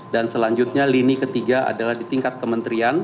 dan selanjutnya lini ketiga adalah di tingkat kementerian